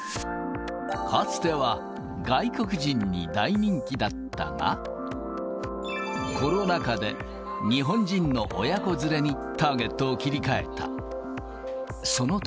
かつては、外国人に大人気だったが、コロナ禍で、日本人の親子連れにターゲットを切り替えた。